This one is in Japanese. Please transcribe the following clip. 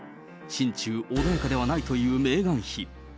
心中穏やかではないというメーガン妃。